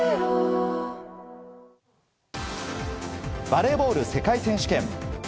バレーボール世界選手権。